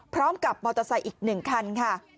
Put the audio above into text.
พร้อมกับมอเตอร์ไซค์อีก๑คันค่ะ